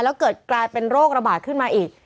แล้วเกิดกลายเป็นโรคระบาดขึ้นมาอีก